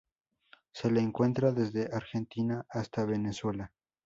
Se le encuentra desde Argentina hasta Venezuela.